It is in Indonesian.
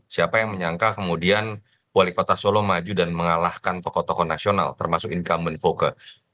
siapa yang menyangka kemudian wali kota solo maju dan mengalahkan tokoh tokoh nasional termasuk incumbent voke